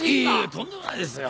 とんでもないですよ。